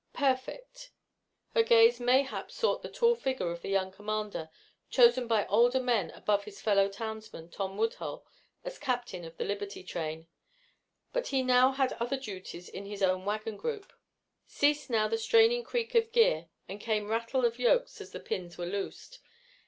Perfect!" Her gaze mayhap sought the tall figure of the young commander, chosen by older men above his fellow townsman, Sam Woodhull, as captain of the Liberty train. But he now had other duties in his own wagon group. Ceased now the straining creak of gear and came rattle of yokes as the pins were loosed.